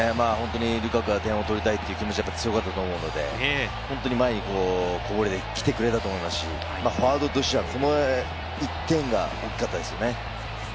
ルカクは点を取りたいという気持ちが強かったと思うので、本当に前にこぼれて来てくれたと思いますし、フォワードとしてはこの１点が大きかったですね。